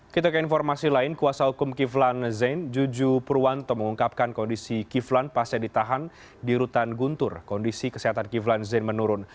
kita ke informasi lain kuasa hukum kiflan zain juju purwanto mengungkapkan kondisi kiflan pasca ditahan di rutan guntur kondisi kesehatan kiflan zain menurun